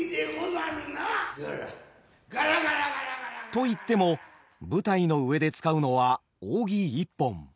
といっても舞台の上で使うのは扇一本。